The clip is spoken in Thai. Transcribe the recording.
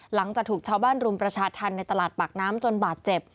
หลังจากถูกชาวบ้านรุมประชาธรรมในตลาดปากน้ำจนบาดเจ็บ